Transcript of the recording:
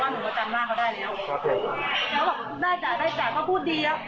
ลงทะเบียนเรียบร้อยสัยเรียบร้อย